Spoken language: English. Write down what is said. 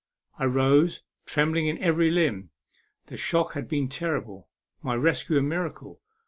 I rose, trembling in every limb ; the shock had been terrible; my rescue a miracle.